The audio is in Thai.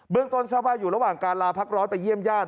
ต้นทราบว่าอยู่ระหว่างการลาพักร้อนไปเยี่ยมญาติ